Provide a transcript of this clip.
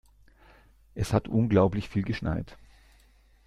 Es hat unglaublich viel geschneit.